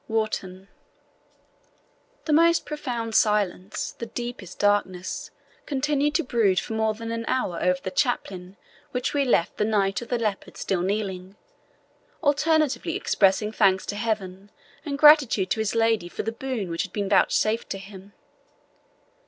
WARTON. The most profound silence, the deepest darkness, continued to brood for more than an hour over the chapel in which we left the Knight of the Leopard still kneeling, alternately expressing thanks to Heaven and gratitude to his lady for the boon which had been vouchsafed to him.